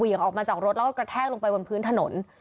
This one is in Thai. ออกมาจากรถแล้วก็กระแทกลงไปบนพื้นถนน